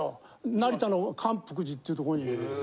成田の観福寺っていうところに。